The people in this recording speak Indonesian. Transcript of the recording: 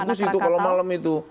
bagus itu kalau malam itu